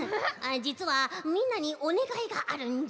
「じつはみんなにおねがいがあるんじゃ」。